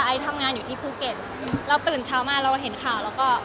ทำงานอยู่ที่ภูเก็ตเราตื่นเช้ามาเราเห็นข่าวเราก็